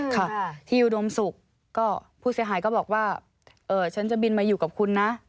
ค่ะที่อุดมศุกร์ก็ผู้เสียหายก็บอกว่าฉันจะบินมาอยู่กับคุณนะ